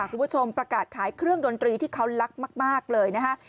ประกาศขายเครื่องดนตรีที่เขารักมากเลยนะฮะ